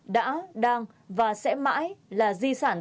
đã đang và sẽ mãi là di sản tinh thần quý bản